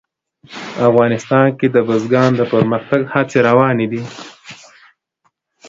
افغانستان کې د بزګان د پرمختګ هڅې روانې دي.